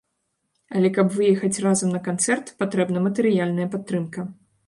Але каб выехаць разам на канцэрт, патрэбна матэрыяльная падтрымка.